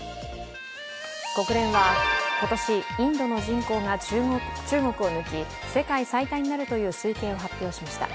国連は、今年インドの人口が中国を抜き世界最多になるという推計を発表しました。